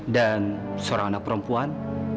dan seorang anak perempuan